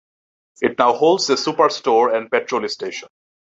It now holds a superstore and petrol station.